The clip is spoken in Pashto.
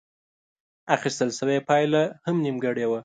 اخيستل شوې پايله هم نيمګړې وه.